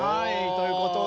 ということで。